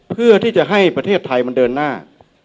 เพื่อที่จะให้ประเทศไทยมันเดินหน้า